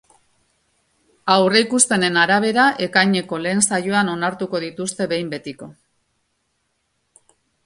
Aurreikuspenen arabera, ekaineko lehen saioan onartuko dituzte behin betiko.